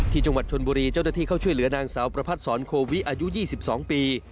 จังหวัดชนบุรีเจ้าหน้าที่เข้าช่วยเหลือนางสาวประพัดศรโควิอายุ๒๒ปี